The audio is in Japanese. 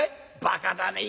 バカだね。